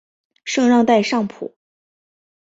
圣让代尚普。